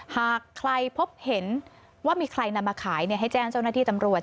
หากใครพบเห็นว่ามีใครนำมาขายให้แจ้งเจ้าหน้าที่ตำรวจ